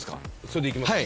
それでいきます。